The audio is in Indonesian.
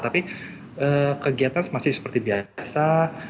tapi kegiatan masih seperti biasa